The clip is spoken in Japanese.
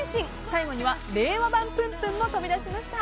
最後には令和版プンプンも飛び出しました。